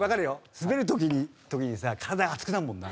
スベる時にさ体が熱くなるもんな。